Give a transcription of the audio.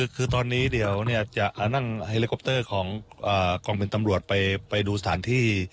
คือตอนนี้เดี๋ยวจะนั่งไฮลิคอปเตอร์ของกองบินตำรวจไปดูสถานที่